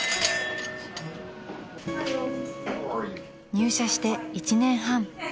［入社して１年半。